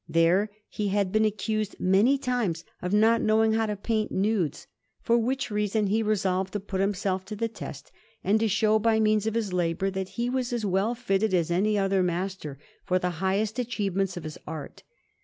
There he had been accused many times of not knowing how to paint nudes; for which reason he resolved to put himself to the test, and to show by means of his labour that he was as well fitted as any other master for the highest achievements of his art.